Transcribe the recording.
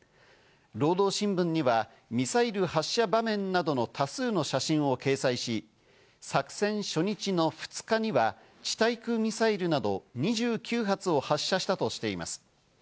労働新聞にはミサイル発射場面などの多数の写真を掲載し、作戦初日の２日には地対空ミサイルなど２９発を発射したとしています。